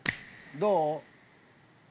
どう？